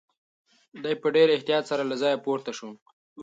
دی په ډېر احتیاط سره له ځایه پورته شو.